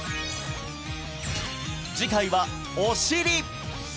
次回は「お尻」